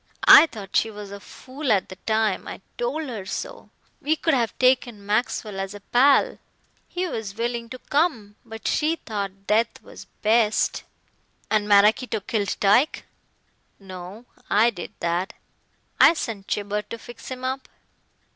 I thought she was a fool at the time. I told her so. We could have taken Maxwell as a pal. He was willing to come. But she thought death was best." "And Maraquito killed Tyke?" "No. I did that. I sent Gibber to fix him up.